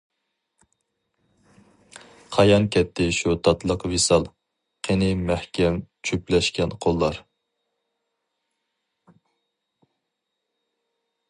قايان كەتتى شۇ تاتلىق ۋىسال، قېنى مەھكەم جۈپلەشكەن قوللار.